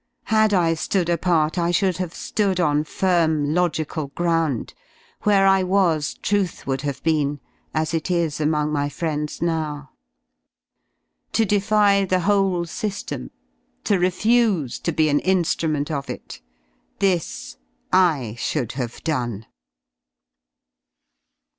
Had I ^ood apart I should have ^ood on firm logical ground; where I was truth would have been, as it is among my friends now. To defy the whole sy^em, to refuse to be an in^rument j of it — this /should have done.